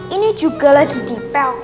ini juga lagi dipel